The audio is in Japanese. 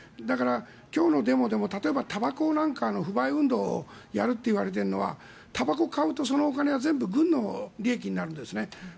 だから、今日のデモでもたばこなんかの不買運動をやるといわれているのはたばこを買うとそのお金は全部、軍の利益になるんですね。